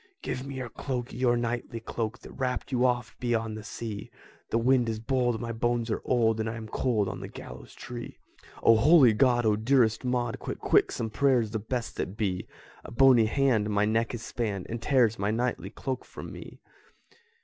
"Give me your cloak, your knightly cloak, That wrapped you oft beyond the sea; The wind is bold, my bones are old, And I am cold on the gallows tree." "O holy God! O dearest Maud, Quick, quick, some prayers, the best that be! A bony hand my neck has spanned, And tears my knightly cloak from me!"